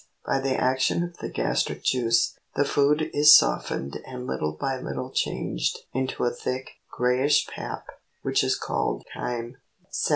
By the action of the gastric juice, the food is soflened and little by little changed into a thick, grayish pap, wind) is called chyme.